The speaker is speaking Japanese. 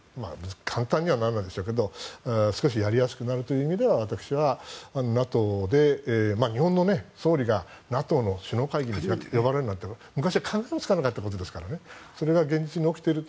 簡単にならないでしょうけど少しやりやすくなるという意味では私はＮＡＴＯで日本の総理がＮＡＴＯの首脳会議に呼ばれるなんて昔は考えもつかなかったことですからそれが現実に起きている。